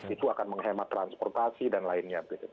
itu akan menghemat transportasi dan lainnya